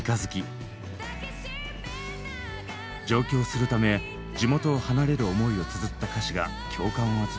上京するため地元を離れる思いをつづった歌詞が共感を集め